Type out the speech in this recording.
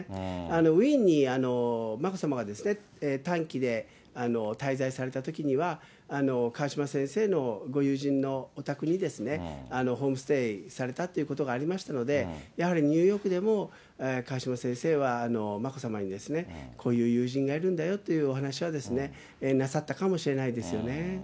ウィーンに眞子さまが短期で滞在されたときには、川嶋先生のご友人のお宅にホームステイされたということがありましたので、やはりニューヨークでも、川嶋先生は眞子さまにこういう友人がいるんだよというお話はなさったかもしれないですよね。